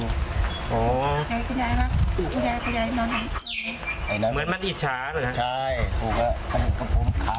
เหมือนมันอิจฉาเลยฮะ